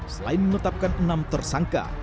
selain menetapkan enam tersangka